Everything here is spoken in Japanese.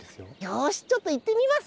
よしちょっといってみます。